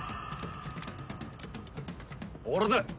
俺だ！